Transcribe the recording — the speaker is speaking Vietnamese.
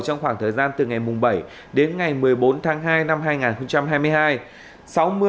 trong khoảng thời gian từ ngày bảy đến ngày một mươi bốn tháng hai năm hai nghìn hai mươi hai